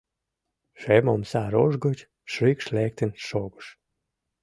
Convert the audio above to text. Шем омса рож гыч шикш лектын шогыш.